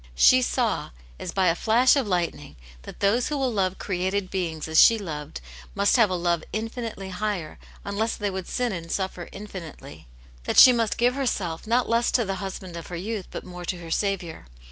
She saw, as by a flash of lightning, that thos^ '^Kck ^*^ \ss^^ 156 Aunt Jane's Hero. created beings as she loved must have a love infinitely higher, unless they would sin and suffer infinitely; that she must give herself, not less to the husband of her youth, but more to her Saviour.'